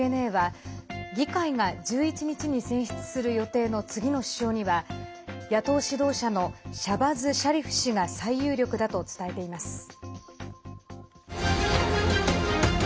ＣＮＡは議会が１１日に選出する予定の次の首相には、野党指導者のシャバズ・シャリフ氏が最有力だと伝えています。